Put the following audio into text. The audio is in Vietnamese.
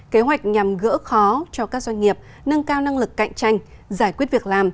kế hoạch nhằm gỡ khó cho các doanh nghiệp nâng cao năng lực cạnh tranh giải quyết việc làm